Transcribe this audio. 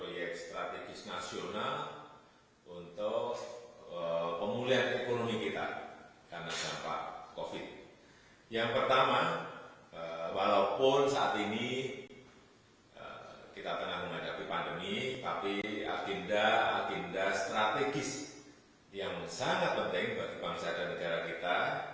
yang sangat penting bagi bangsa dan negara kita